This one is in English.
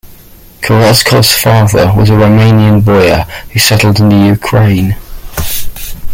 Kheraskov's father was a Romanian boyar who settled in the Ukraine.